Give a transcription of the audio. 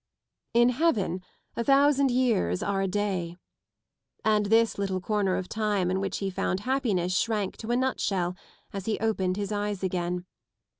In Heaven a thousand years are a day. And this little corner of time in which he found happiness shrank to a nut shell as he opened his eyes again.